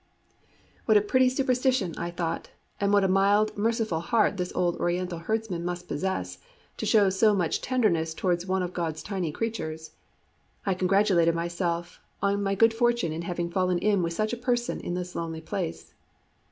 What a pretty superstition, I thought; and what a mild, merciful heart this old Oriental herdsman must possess to show so much tenderness towards one of God's tiny creatures. I congratulated myself on my good fortune in having fallen in with such a person in this lonely place.